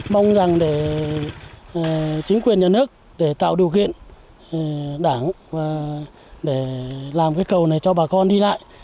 mong rằng để chính quyền nhà nước để tạo điều kiện đảng để làm cây cầu này cho bà con đi lại